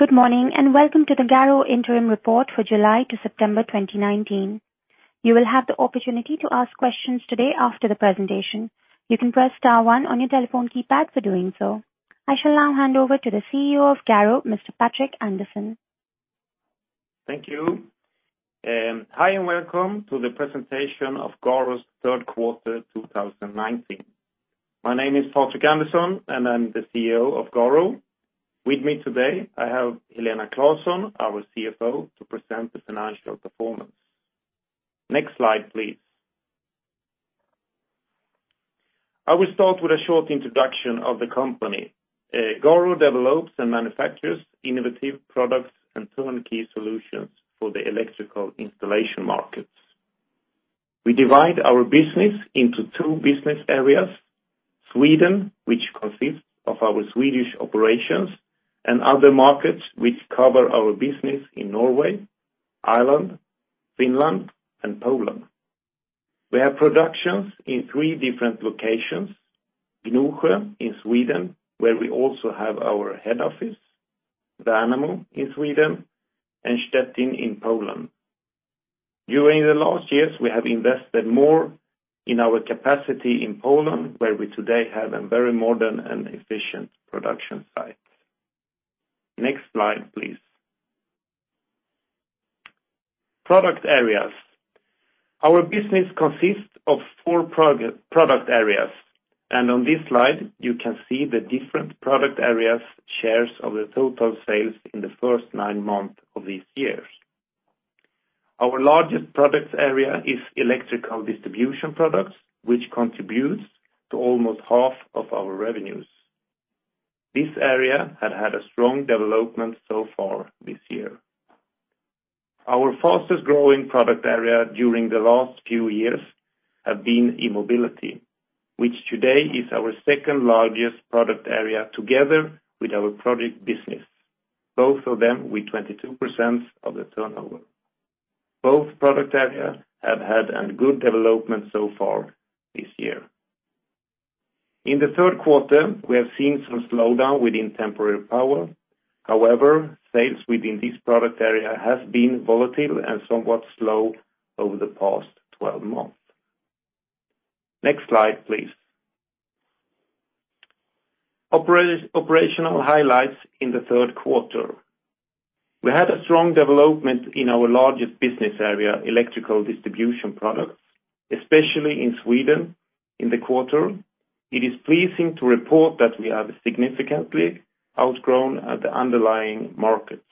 Good morning, and welcome to the Garo interim report for July to September 2019. You will have the opportunity to ask questions today after the presentation. You can press star one on your telephone keypad for doing so. I shall now hand over to the CEO of Garo, Mr. Patrik Andersson. Thank you, and hi, and welcome to the presentation of Garo's third quarter 2019. My name is Patrik Andersson, and I'm the CEO of Garo. With me today, I have Helena Claesson, our CFO, to present the financial performance. Next slide, please. I will start with a short introduction of the company. Garo develops and manufactures innovative products and turnkey solutions for the electrical installation markets. We divide our business into two business areas, Sweden, which consists of our Swedish operations, and other markets, which cover our business in Norway, Ireland, Finland, and Poland. We have productions in three different locations, Gnosjö in Sweden, where we also have our head office, Värnamo in Sweden, and Szczecin in Poland. During the last years, we have invested more in our capacity in Poland, where we today have a very modern and efficient production site. Next slide, please. Product areas. Our business consists of 4 product areas, and on this slide, you can see the different product areas shares of the total sales in the first 9 months of this year. Our largest product area is electrical distribution products, which contributes to almost half of our revenues. This area had a strong development so far this year. Our fastest-growing product area during the last few years have been e-mobility, which today is our second-largest product area, together with our product business, both of them with 22% of the turnover. Both product areas have had a good development so far this year. In the third quarter, we have seen some slowdown within temporary power. However, sales within this product area has been volatile and somewhat slow over the past 12 months. Next slide, please. Operational highlights in the third quarter. We had a strong development in our largest business area, electrical distribution products, especially in Sweden in the quarter. It is pleasing to report that we have significantly outgrown the underlying markets.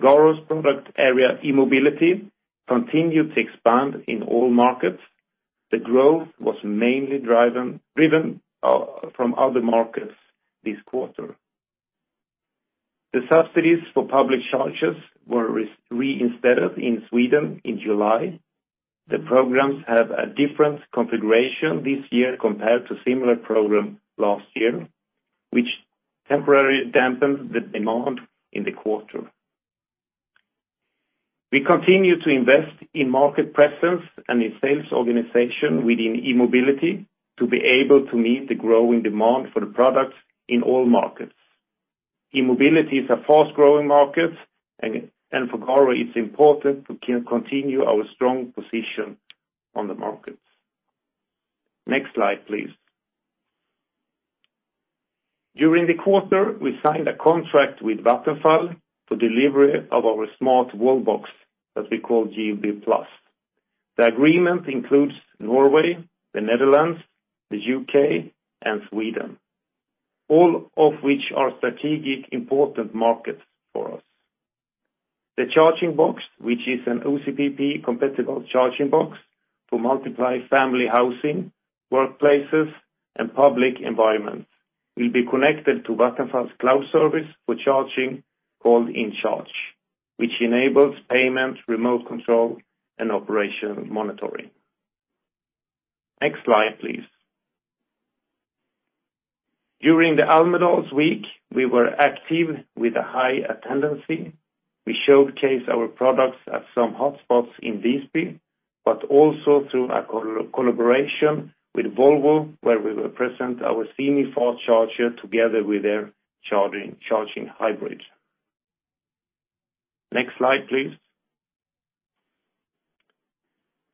Garo's product area, e-mobility, continued to expand in all markets. The growth was mainly driven from other markets this quarter. The subsidies for public chargers were reinstalled in Sweden in July. The programs have a different configuration this year compared to similar program last year, which temporarily dampened the demand in the quarter. We continue to invest in market presence and in sales organization within e-mobility to be able to meet the growing demand for the products in all markets. E-mobility is a fast-growing market, and for Garo, it's important to continue our strong position on the markets. Next slide, please. During the quarter, we signed a contract with Vattenfall for delivery of our smart wallbox that we call GLB+. The agreement includes Norway, the Netherlands, the U.K., and Sweden, all of which are strategic important markets for us. The charging box, which is an OCPP compatible charging box for multi family housing, workplaces, and public environments, will be connected to Vattenfall's cloud service for charging, called InCharge, which enables payment, remote control, and operation monitoring. Next slide, please. During the Almedalen Week, we were active with a high attendance. We showcased our products at some hotspots in Visby, but also through a collaboration with Volvo, where we will present our semi-fast charger together with their charging hybrid. Next slide, please.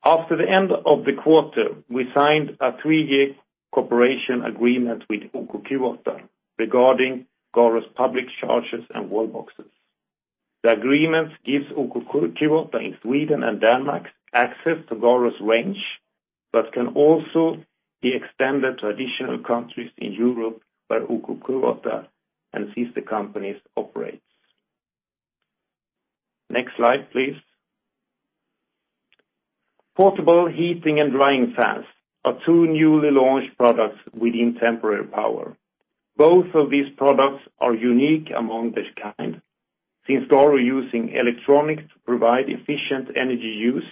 After the end of the quarter, we signed a three-year cooperation agreement with OKQ8 regarding Garo's public chargers and wallboxes. The agreement gives OKQ8 in Sweden and Denmark access to Garo's range, but can also be extended to additional countries in Europe, where OKQ8 and sister companies operate. Next slide, please. Portable heating and drying fans are two newly launched products within temporary power. Both of these products are unique among their kind, since Garo using electronics to provide efficient energy use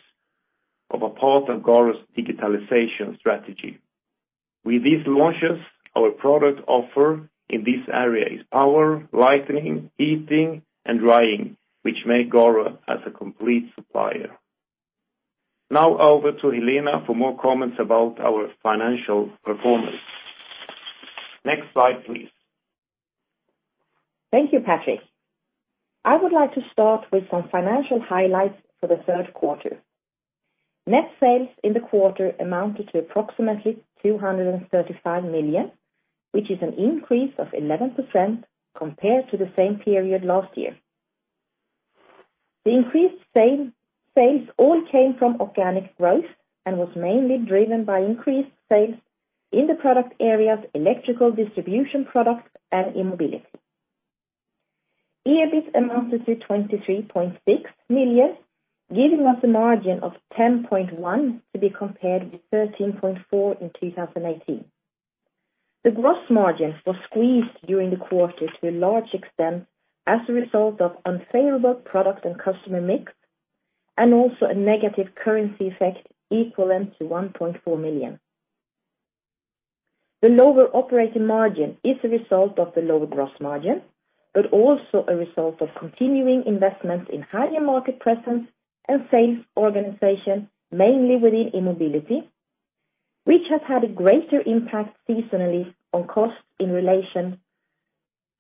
of a part of Garo's digitalization strategy. With these launches, our product offer in this area is power, lighting, heating, and drying, which make Garo as a complete supplier.... Now over to Helena for more comments about our financial performance. Next slide, please. Thank you, Patrik. I would like to start with some financial highlights for the third quarter. Net sales in the quarter amounted to approximately 235 million, which is an increase of 11% compared to the same period last year. The increased sales all came from organic growth and was mainly driven by increased sales in the product areas, electrical distribution products and E-mobility. EBIT amounted to 23.6 million, giving us a margin of 10.1%, to be compared with 13.4% in 2018. The gross margins were squeezed during the quarter to a large extent as a result of unfavorable product and customer mix, and also a negative currency effect equivalent to 1.4 million. The lower operating margin is a result of the lower gross margin, but also a result of continuing investments in higher market presence and sales organization, mainly within E-mobility, which has had a greater impact seasonally on costs in relation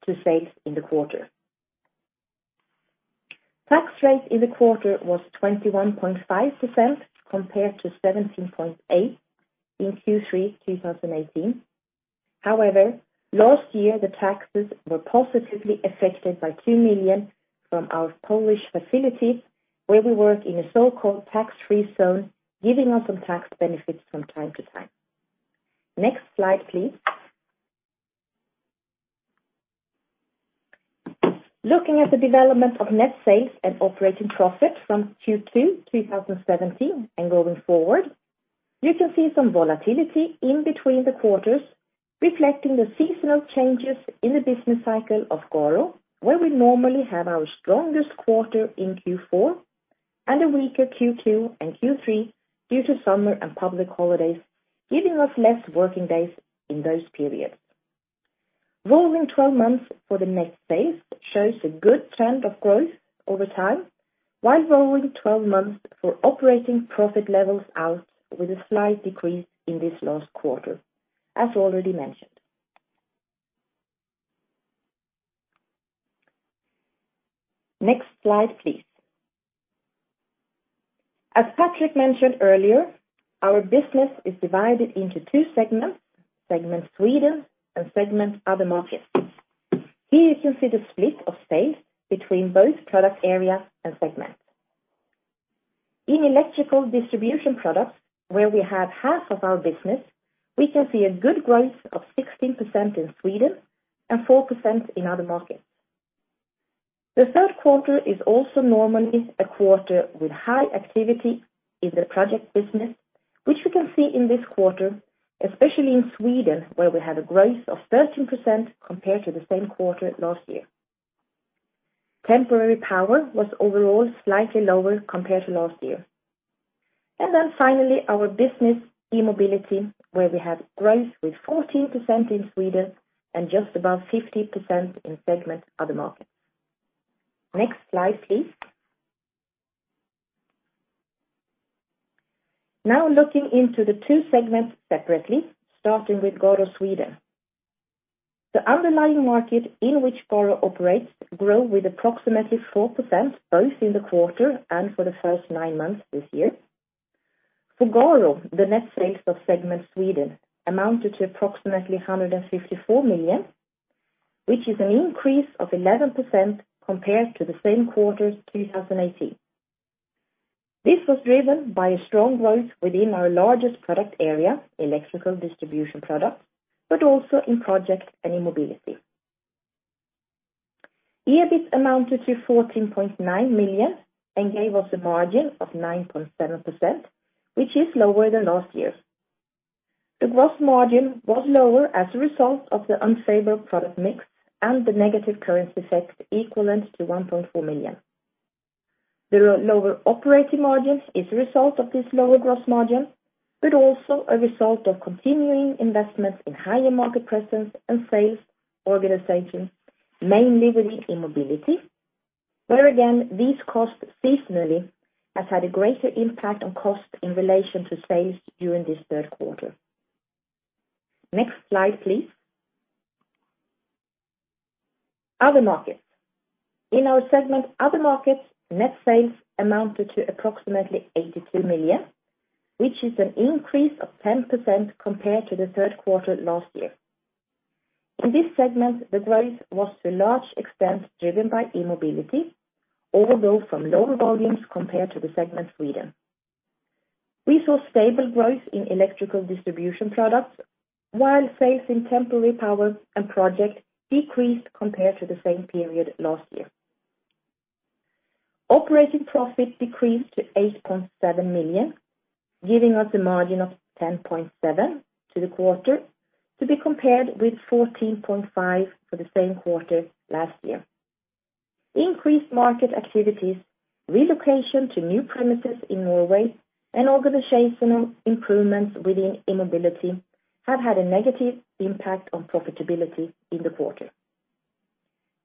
to sales in the quarter. Tax rate in the quarter was 21.5%, compared to 17.8% in Q3 2018. However, last year, the taxes were positively affected by 2 million from our Polish facility, where we work in a so-called tax-free zone, giving us some tax benefits from time to time. Next slide, please. Looking at the development of net sales and operating profit from Q2 2017 and going forward, you can see some volatility in between the quarters, reflecting the seasonal changes in the business cycle of Garo, where we normally have our strongest quarter in Q4 and a weaker Q2 and Q3 due to summer and public holidays, giving us less working days in those periods. Rolling twelve months for the next phase shows a good trend of growth over time, while rolling twelve months for operating profit levels out with a slight decrease in this last quarter, as already mentioned. Next slide, please. As Patrik mentioned earlier, our business is divided into two segments: Segment Sweden and Segment Other Markets. Here you can see the split of sales between both product areas and segments. In electrical distribution products, where we have half of our business, we can see a good growth of 16% in Sweden and 4% in other markets. The third quarter is also normally a quarter with high activity in the project business, which we can see in this quarter, especially in Sweden, where we had a growth of 13% compared to the same quarter last year. Temporary power was overall slightly lower compared to last year. Then finally, our business, E-mobility, where we had growth with 14% in Sweden and just above 50% in segment Other Markets. Next slide, please. Now, looking into the two segments separately, starting with Garo Sweden. The underlying market in which Garo operates grew with approximately 4%, both in the quarter and for the first nine months this year. For Garo, the net sales of segment Sweden amounted to approximately 154 million, which is an increase of 11% compared to the same quarter, 2018. This was driven by a strong growth within our largest product area, electrical distribution products, but also in project and E-mobility. EBIT amounted to 14.9 million and gave us a margin of 9.7%, which is lower than last year. The gross margin was lower as a result of the unfavorable product mix and the negative currency effect equivalent to 1.4 million. The lower operating margin is a result of this lower gross margin, but also a result of continuing investments in higher market presence and sales organization, mainly within E-mobility, where, again, these costs seasonally have had a greater impact on cost in relation to sales during this third quarter. Next slide, please. Other markets. In our segment, Other Markets, net sales amounted to approximately 82 million, which is an increase of 10% compared to the third quarter last year. In this segment, the growth was to a large extent driven by E-mobility, although from lower volumes compared to the segment Sweden. We saw stable growth in electrical distribution products, while sales in temporary power and project decreased compared to the same period last year. Operating profit decreased to 8.7 million, giving us a margin of 10.7% to the quarter, to be compared with 14.5% for the same quarter last year. Increased market activities, relocation to new premises in Norway, and organizational improvements within E-mobility have had a negative impact on profitability in the quarter.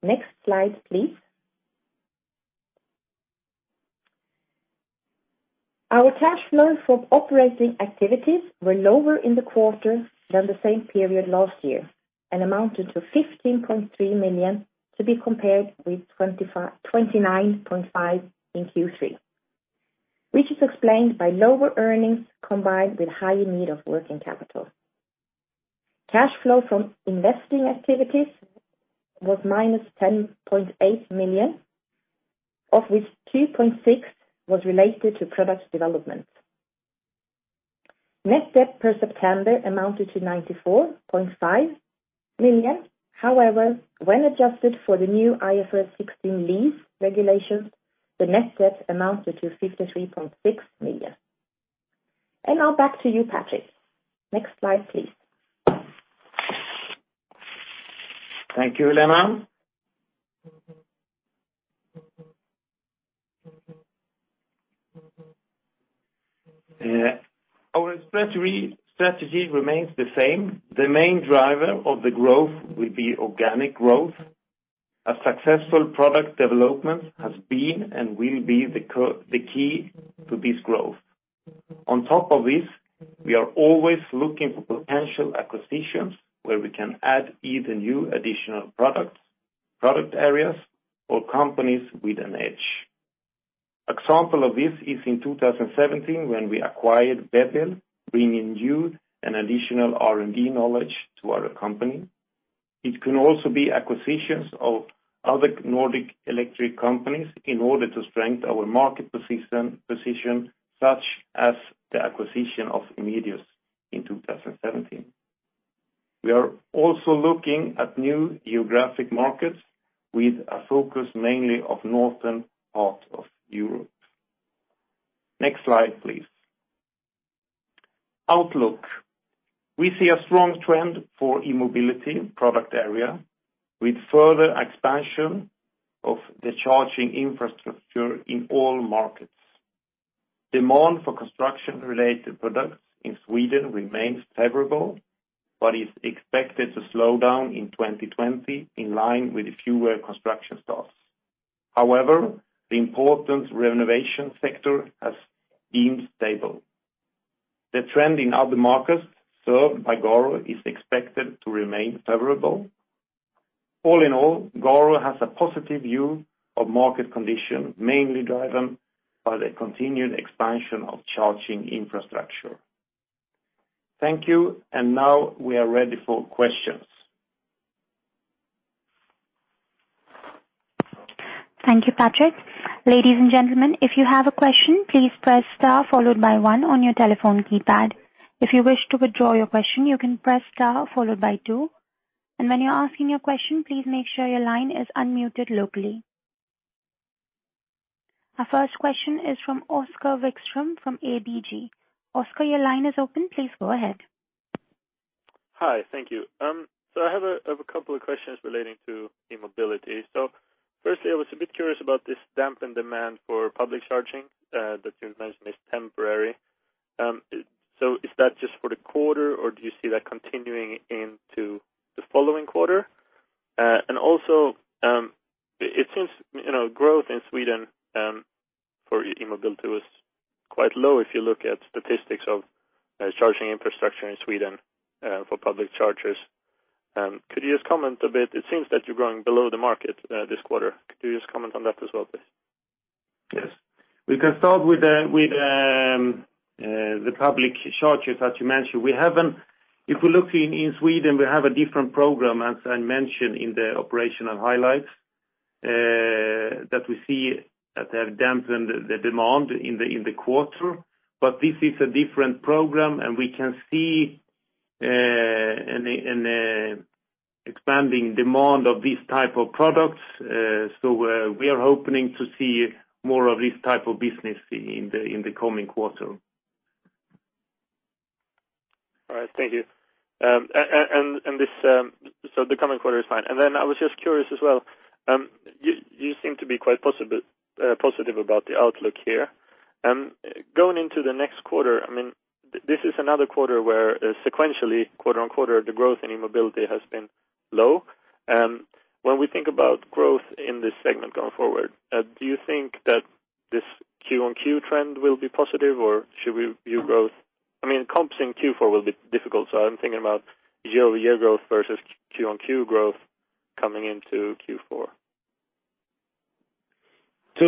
Next slide, please. Our cash flow from operating activities were lower in the quarter than the same period last year, and amounted to 15.3 million, to be compared with 29.5 in Q3, which is explained by lower earnings, combined with higher need of working capital. Cash flow from investing activities was minus 10.8 million, of which 2.6 was related to product development. Net debt per September amounted to 94.5 million. However, when adjusted for the new IFRS 16 lease regulations, the net debt amounted to 53.6 million. Now back to you, Patrik. Next slide, please. Thank you, Helena. Our strategy remains the same. The main driver of the growth will be organic growth. A successful product development has been and will be the key to this growth. On top of this, we are always looking for potential acquisitions, where we can add either new additional products, product areas, or companies with an edge. Example of this is in 2017, when we acquired Beppel, bringing new and additional R&D knowledge to our company. It can also be acquisitions of other Nordic electric companies, in order to strengthen our market position, such as the acquisition of Emedius in 2017. We are also looking at new geographic markets, with a focus mainly of northern part of Europe. Next slide, please. Outlook. We see a strong trend for E-mobility product area, with further expansion of the charging infrastructure in all markets. Demand for construction-related products in Sweden remains favorable, but is expected to slow down in 2020, in line with fewer construction starts. However, the important renovation sector has been stable. The trend in other markets served by Garo is expected to remain favorable. All in all, Garo has a positive view of market conditions, mainly driven by the continued expansion of charging infrastructure. Thank you, and now we are ready for questions. Thank you, Patrik. Ladies and gentlemen, if you have a question, please press star followed by one on your telephone keypad. If you wish to withdraw your question, you can press star followed by two, and when you're asking your question, please make sure your line is unmuted locally. Our first question is from Oscar Wickström, from ABG. Oscar, your line is open. Please go ahead. Hi, thank you. So I have a couple of questions relating to e-mobility. So firstly, I was a bit curious about this dampened demand for public charging that you've mentioned is temporary. So is that just for the quarter, or do you see that continuing into the following quarter? And also, it seems, you know, growth in Sweden for e-mobility was quite low, if you look at statistics of charging infrastructure in Sweden for public chargers. Could you just comment a bit? It seems that you're growing below the market this quarter. Could you just comment on that as well, please? Yes. We can start with the public chargers that you mentioned. We haven't—if you look in Sweden, we have a different program, as I mentioned in the operational highlights, that we see that have dampened the demand in the quarter. But this is a different program, and we can see an expanding demand of these type of products. So, we are hoping to see more of this type of business in the coming quarter. All right. Thank you. And this, so the coming quarter is fine. And then I was just curious as well, you seem to be quite positive about the outlook here. Going into the next quarter, I mean, this is another quarter where, sequentially, quarter-over-quarter, the growth in e-mobility has been low. When we think about growth in this segment going forward, do you think that this Q-on-Q trend will be positive, or should we view growth—I mean, comparing Q4 will be difficult, so I'm thinking about year-over-year growth versus Q-on-Q growth coming into Q4. So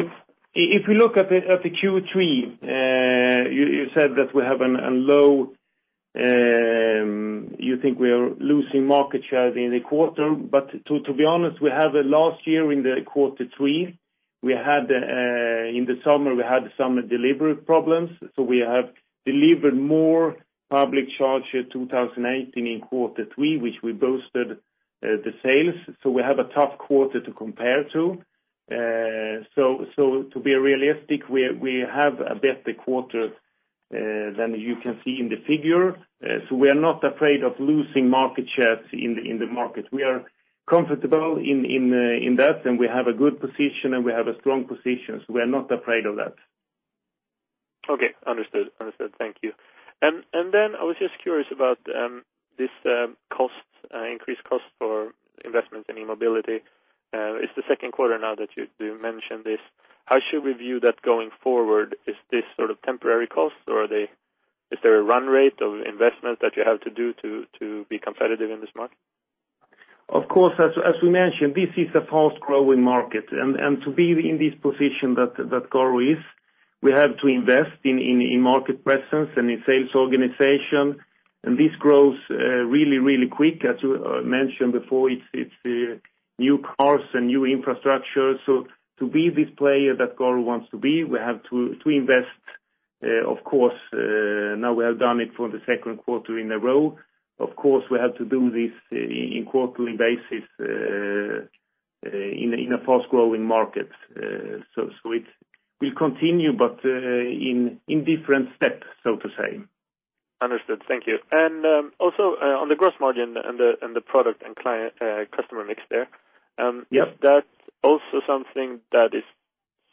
if you look at the Q3, you said that we have a low. You think we are losing market share in the quarter. But to be honest, we had last year in quarter three, we had in the summer some delivery problems, so we delivered more public chargers in 2018 in quarter three, which boosted the sales. So we have a tough quarter to compare to. So to be realistic, we have a better quarter than you can see in the figure. So we are not afraid of losing market shares in the market. We are comfortable in that, and we have a good position, and we have a strong position, so we are not afraid of that.... Okay, understood. Understood. Thank you. And then I was just curious about this increased cost for investments in e-mobility. It's the second quarter now that you mentioned this. How should we view that going forward? Is this sort of temporary cost or is there a run rate of investment that you have to do to be competitive in this market? Of course, as we mentioned, this is a fast-growing market, and to be in this position that Garo is, we have to invest in market presence and in sales organization, and this grows really, really quick. As you mentioned before, it's new cars and new infrastructure. So to be this player that Garo wants to be, we have to invest, of course, now we have done it for the second quarter in a row. Of course, we have to do this in quarterly basis in a fast-growing market. So it will continue, but in different steps, so to say. Understood. Thank you. Also, on the gross margin and the product and client customer mix there, Yep. -that's also something that is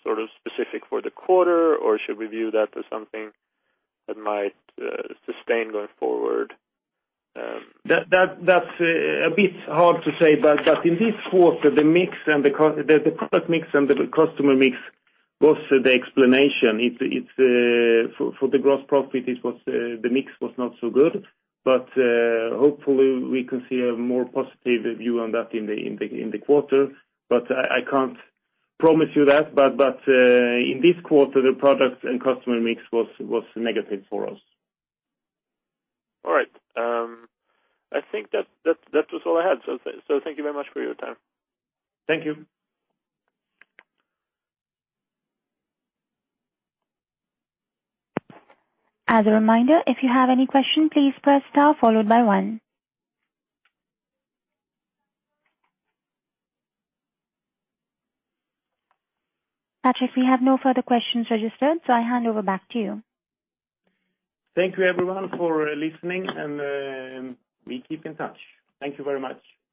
sort of specific for the quarter, or should we view that as something that might sustain going forward? That's a bit hard to say, but in this quarter, the mix and the product mix and the customer mix was the explanation. It's for the gross profit, it was the mix was not so good. But hopefully we can see a more positive view on that in the quarter. But I can't promise you that. But in this quarter, the product and customer mix was negative for us. All right. I think that was all I had. So thank you very much for your time. Thank you. As a reminder, if you have any question, please press star followed by one. Patrik, we have no further questions registered, so I hand over back to you. Thank you, everyone, for listening, and we keep in touch. Thank you very much.